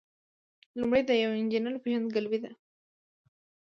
لومړی د یو انجینر پیژندګلوي ده.